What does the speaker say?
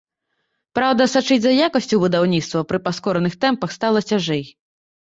Праўда, сачыць за якасцю будаўніцтва пры паскораных тэмпах стала цяжэй.